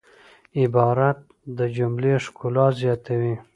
عبارت د جملې ښکلا زیاتوي.